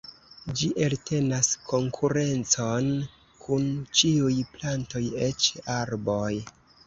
Ĝi eltenas konkurencon kun ĉiuj plantoj eĉ arboj.